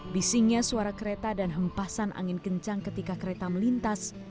bisingnya suara kereta dan hempasan angin kencang ketika kereta melintas